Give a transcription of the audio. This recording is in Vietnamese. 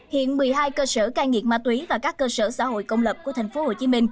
hiện một mươi hai cơ sở cai nghiện ma túy và các cơ sở xã hội công lập của tp hcm